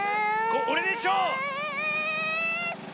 おれでしょう！